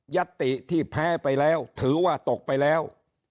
ัตติที่แพ้ไปแล้วถือว่าตกไปแล้ว